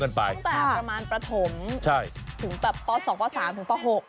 ตั้งแต่ประมาณประถมถึงแบบป่าว๒ป่าว๓ถึงป่าว๖